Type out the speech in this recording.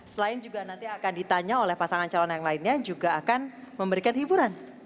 selain juga nanti akan ditanya oleh pasangan calon yang lainnya juga akan memberikan hiburan